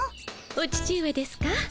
お父上ですか？